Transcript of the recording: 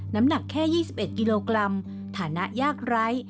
น้ำหนักแค่๒๑กิโลกรัมฐานะยากไร้